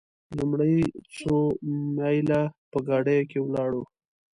لومړي څو میله په ګاډیو کې ولاړو.